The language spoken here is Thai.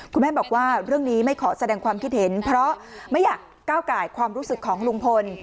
คุณแม่บอกว่าเรื่องนี้ไม่ขอแสดงความคิดเห็นเพราะไม่อยากก้าวไก่ความรู้สึกของลุงพล